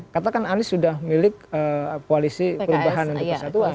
katakan anies sudah milik koalisi perubahan untuk persatuan